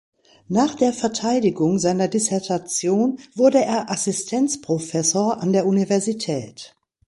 Nach der Verteidigung seiner Dissertation wurde er Assistenzprofessor an der Universität.